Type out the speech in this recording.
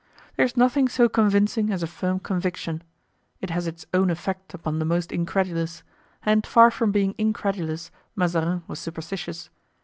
There is nothing so convincing as a firm conviction. It has its own effect upon the most incredulous; and far from being incredulous, Mazarin was superstitious.